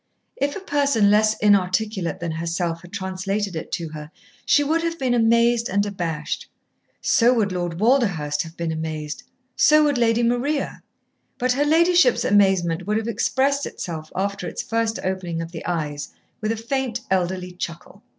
If a person less inarticulate than herself had translated it to her she would have been amazed and abashed. So would Lord Walderhurst have been amazed, so would Lady Maria; but her ladyship's amazement would have expressed itself after its first opening of the eyes, with a faint elderly chuckle.